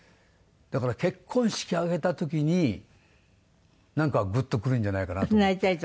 だから結婚式挙げた時になんかグッとくるんじゃないかなと思って。